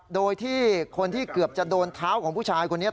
โดยที่คนที่เกือบจะโดนเท้าของผู้ชายคนนี้